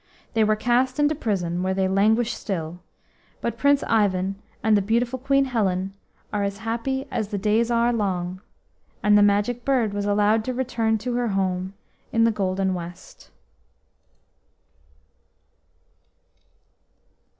They were cast into prison, where they languish still: but Prince Ivan and the beautiful Queen Helen are as happy as the days are long, and the Magic Bird was allowed to return to her home in the golden west.